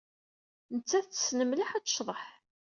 Nettat tessen mliḥ ad tecḍeḥ.